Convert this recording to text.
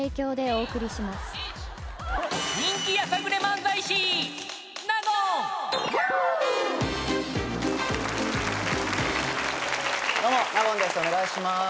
お願いします。